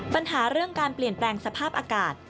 ปัญหาเรื่องการเปลี่ยนแปลงสภาพอากาศ